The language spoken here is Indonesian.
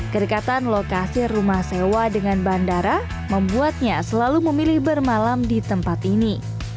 kedekatan lokasi rumah sewa dengan bandara membuatnya selalu memilih bermalam di tempat ini